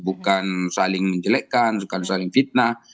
bukan saling menjelekkan bukan saling fitnah